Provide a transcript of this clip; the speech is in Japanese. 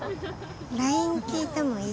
ＬＩＮＥ聞いてもいい？